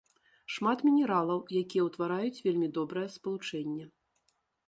Шмат мінералаў, якія ўтвараюць вельмі добрае спалучэнне.